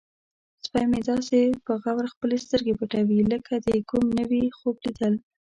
سپی مې داسې په غور خپلې سترګې پټوي لکه د کوم نوي خوب لیدل.